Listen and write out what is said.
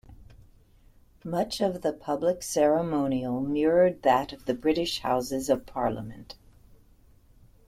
Much of the public ceremonial mirrored that of the British Houses of Parliament.